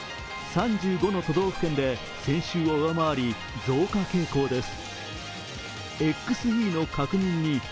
３５の都道府県で先週を上回り増加傾向です。